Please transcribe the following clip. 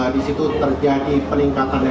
di situ terjadi peningkatan